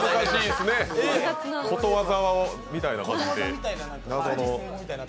ことわざみたいな感じで。